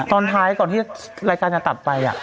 ตอนท้ายก่อนที่รายการจะตัดไป